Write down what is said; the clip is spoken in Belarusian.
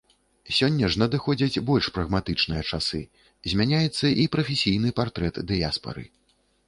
Сёння ж надыходзяць больш прагматычныя часы, змяняецца і прафесійны партрэт дыяспары.